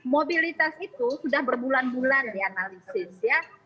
mobilitas itu sudah berbulan bulan dianalisis ya